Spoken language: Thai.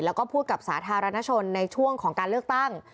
แล้วก็พูดกับสาธารณชนในช่วงของการเลือกตั้ง